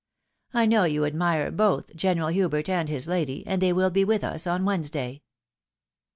I know you admire both General Hubert and his lady, and they will be with us on Wednesday."